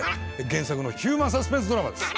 原作のヒューマンサスペンスドラマです。